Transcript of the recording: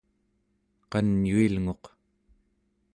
qanyuilnguq